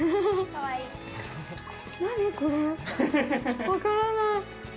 わからない。